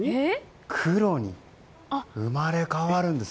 黒に生まれ変わるんです。